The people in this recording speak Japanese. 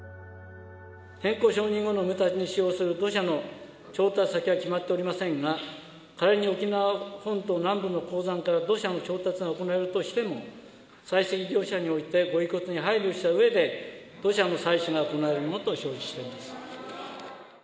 変更承認後の埋め立てに使用する土砂の調達先は決まっておりませんが、仮に沖縄本島南部の鉱山から土砂の調達が行われるとしても、採石業者においてご遺骨に配慮したうえで、土砂の採取が行われるものと承知しております。